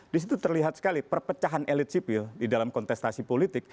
di situ terlihat sekali perpecahan elit sipil di dalam kontestasi politik